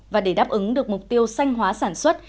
và để đáp ứng được mục tiêu sanh hóa sản xuất